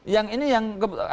yang ini yang